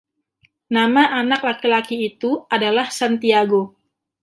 Nama anak laki-laki itu adalah Santiago.